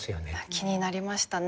気になりましたね。